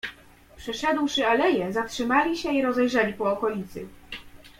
"Przeszedłszy aleje, zatrzymali się i rozejrzeli po okolicy."